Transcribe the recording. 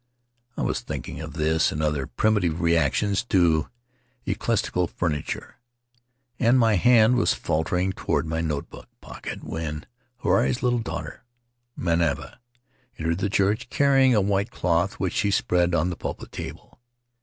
I was thinking of this and other primitive reactions to ecclesiastical furniture, and my hand was faltering toward my notebook pocket when Huirai's little daughter, Manava, entered the church, carrying a white cloth which she spread on the pulpit table.